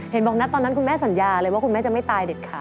เห็นบอกนะตอนนั้นคุณแม่สัญญาเลยว่าคุณแม่จะไม่ตายเด็ดขาด